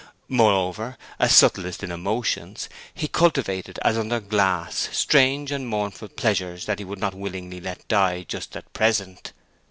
Moreover, a subtlist in emotions, he cultivated as under glasses strange and mournful pleasures that he would not willingly let die just at present.